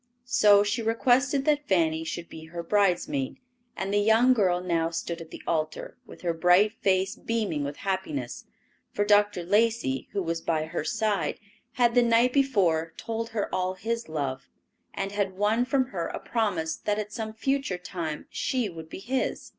So she requested that Fanny should be her bridesmaid, and the young girl now stood at the altar, with her bright face beaming with happiness, for Dr. Lacey, who was by her side, had, the night before, told her all his love, and had won from her a promise that at some future time she would be his.